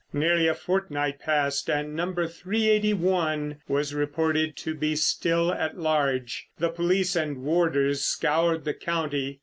Nearly a fortnight passed and No. 381 was reported to be still at large. The police and warders scoured the county.